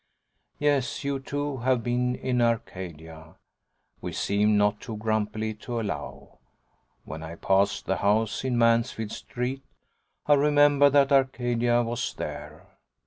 "Yes, you too have been in Arcadia," we seem not too grumpily to allow. When I pass the house in Mansfield Street I remember that Arcadia was there.